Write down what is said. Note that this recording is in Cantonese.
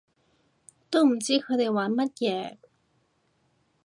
都唔知佢哋玩乜嘢